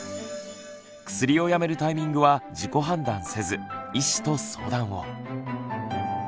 薬をやめるタイミングは自己判断せず医師と相談を。